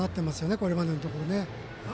これまでのところね。